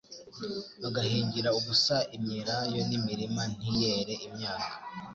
bagahingira ubusa imyelayo n'imirima ntiyere imyaka,